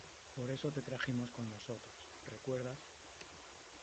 por eso te trajimos con nosotros .¿ recuerdas ?